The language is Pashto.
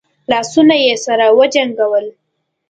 لاسونه يې سره وجنګول.